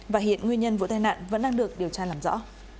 và hiện nguyên nhân vụ tai nạn vẫn đang được điều tra làm rõ